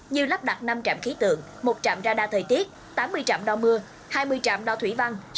như lắp đặt năm trạm khí tượng một trạm radar thời tiết tám mươi trạm đo mưa hai mươi trạm đo thủy văn